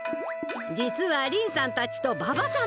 実はりんさんたちとババさん